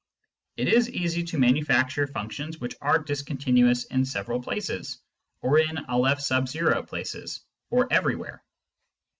It is easy to manufacture functions which are discontinuous in several places, or in N places, or everywhere.